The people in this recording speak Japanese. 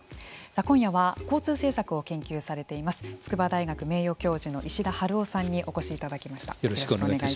今夜は交通政策を研究されています筑波大学名誉教授の石田東生さんにお越しいただきました。